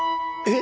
え？